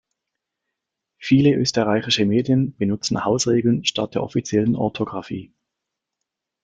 Viele österreichische Medien benutzen Hausregeln statt der offiziellen Orthographie.